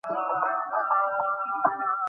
তেল ফুরোবার আগেই আমি নিবিয়ে দেব আলো!